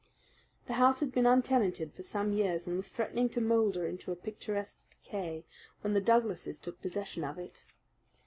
The house had been untenanted for some years and was threatening to moulder into a picturesque decay when the Douglases took possession of it.